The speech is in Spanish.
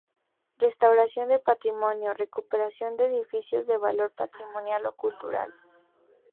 Restauración de Patrimonio: Recuperación de edificios de valor patrimonial o cultural.